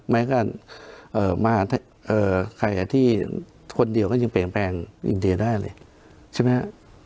แม้ก็มาใครที่คนเดียวก็ยังเปลี่ยนแปลงอินเดียได้เลยใช่ไหมฮะ